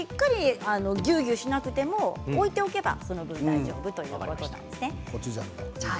ぎゅうぎゅうしなくても置いておけば大丈夫ということです。